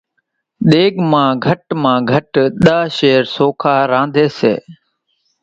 ۮيڳ مان گھٽ مان گھٽ ۮۿ شير سوکا رنڌائيَ سي۔